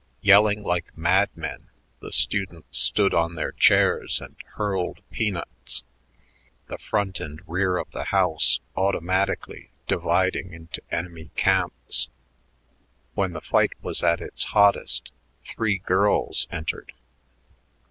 Yelling like madmen, the students stood on their chairs and hurled peanuts, the front and rear of the house automatically dividing into enemy camps. When the fight was at its hottest, three girls entered.